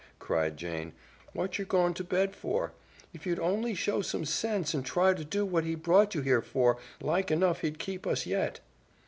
cried Jane. "What yer gone to bed for? If you'd only show some sense and try to do what he brought you here for, like enough he'd keep us yet."